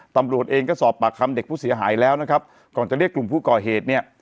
ตำรวจเองก็สอบปากคำเด็กผู้เสียหายแล้วนะครับก่อนจะเรียกกลุ่มผู้ก่อเหตุเนี่ย